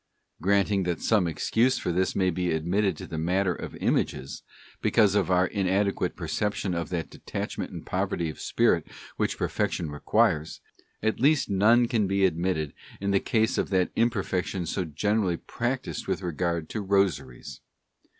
Granting that some excuse for this may be admitted in the matter of Images, because of our inadequate perception of that detachment and poverty of spirit which perfection requires, at least none can be admitted in the case of; that imperfection so generally practised with regard to Rosaries.